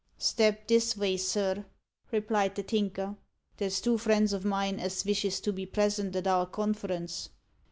"Step this vay, sir," replied the Tinker. "There's two friends o' mine as vishes to be present at our conference.